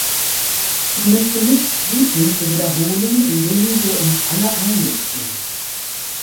Ich möchte nicht die Punkte wiederholen, in denen wir uns alle einig sind.